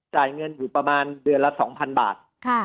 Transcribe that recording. จ่ายเงินอยู่ประมาณเดือนละ๒๐๐๐บาท